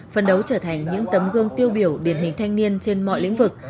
phân đấu trở thành những tấm gương tiêu biểu điển hình thanh niên trên mọi lĩnh vực